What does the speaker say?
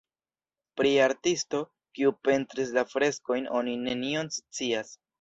Pri artisto, kiu pentris la freskojn oni nenion scias.